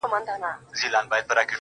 زما سندرې د پښتو د مینې او ویاړ انځور دي